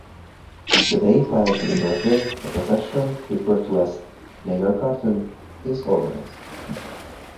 The day prior to the birthday, a procession, referred to as Nagarkirtan, is organised.